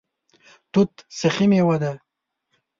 توت سخي میوه ده